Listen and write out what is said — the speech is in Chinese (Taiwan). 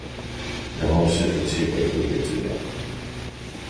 然後伺服器回覆一個資料